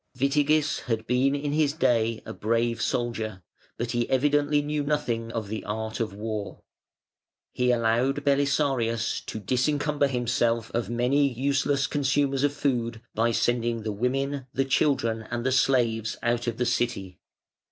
Witigis had been in his day a brave soldier, but he evidently knew nothing of the art of war. He allowed Belisarius to disencumber himself of many useless consumers of food by sending the women, the children, and the slaves out of the City.